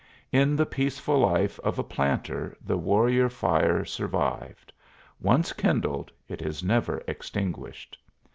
In the peaceful life of a planter the warrior fire survived; once kindled, it is never extinguished.